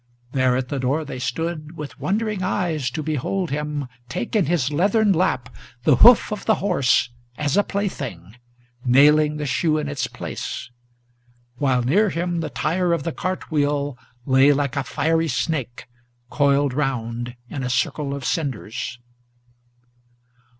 There at the door they stood, with wondering eyes to behold him Take in his leathern lap the hoof of the horse as a plaything, Nailing the shoe in its place; while near him the tire of the cart wheel Lay like a fiery snake, coiled round in a circle of cinders.